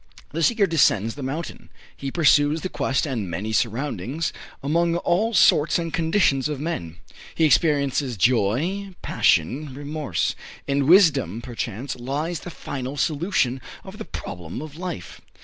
The seeker descends the mountain. He pursues the quest amid many surroundings, among all sorts and conditions of men. He experiences joy, passion, remorse. In wisdom, perchance, lies the final solution of the problem of life.